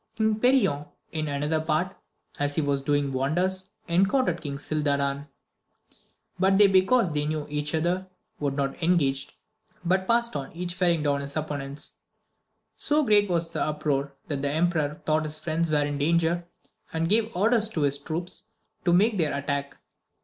King Perion in another part, as he was doing wonders, encountered King Gildadan; but they, because they knew each other, would not engage, but past on, each felling down his opponents. So great was the uproar, that the emperor thought his friends were in danger, and gave orders to his troops to make their attack.